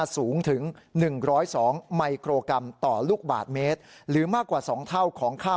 สูงถึง๑๐๒มิโครกรัมต่อลูกบาทเมตรหรือมากกว่า๒เท่าของค่า